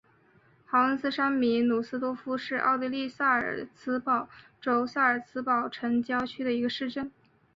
豪恩斯山麓努斯多夫是奥地利萨尔茨堡州萨尔茨堡城郊县的一个市镇。